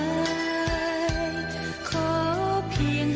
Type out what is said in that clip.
ขอเพียงให้เป็นเมตตามีใครว่าหาทดลอง